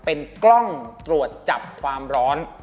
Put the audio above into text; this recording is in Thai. เป็นกล้องตรวจจับความร้อน